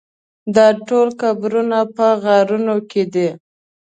دا ټول قبرونه په غارونو کې دي.